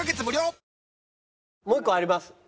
もう一個あります。